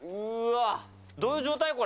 どういう状態？